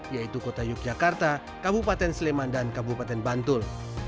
yaitu kota yogyakarta kabupaten sleman dan kabupaten bantul